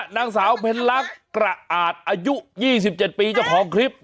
นางสาวเผ็ดลักษณ์กระอาดอายุยี่สิบเจ็ดปีเจ้าของคลิปค่ะ